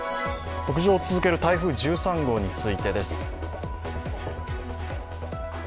北上を続ける台風１３号についてです。